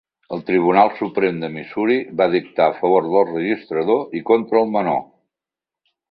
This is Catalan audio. El Tribunal Suprem de Missouri va dictar a favor del registrador i contra el menor.